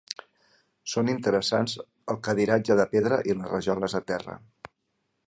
Són interessants el cadiratge de pedra i les rajoles de terra.